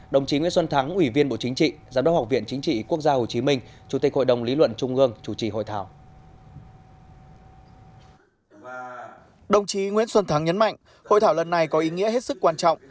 đồng chí nguyễn xuân thắng nhấn mạnh hội thảo luận này có ý nghĩa hết sức quan trọng